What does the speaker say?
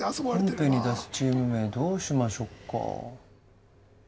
コンペに出すチーム名どうしましょっか。